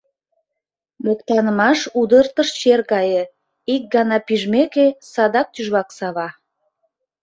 Моктанымаш удыртыш чер гае: ик гана пижмеке, садак тӱжвак сава.